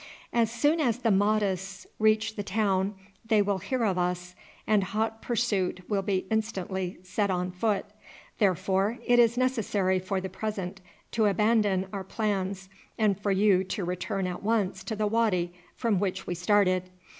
"As soon as the Mahdists reach the town they will hear of us, and hot pursuit will be instantly set on foot; therefore it is necessary for the present to abandon our plans and for you to return at once to the wady from which we started.